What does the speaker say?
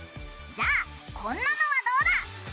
じゃあこんなのはどうだ！